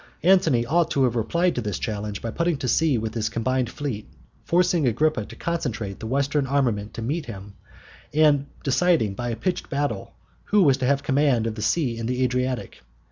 Antony ought to have replied to this challenge by putting to sea with his combined fleet, forcing Agrippa to concentrate the Western armament to meet him, and deciding by a pitched battle who was to have the command of the sea in the Adriatic.